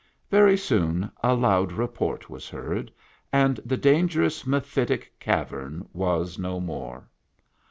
Very soon a loud report was heard, and the dan gerous mephitic cavern was no more.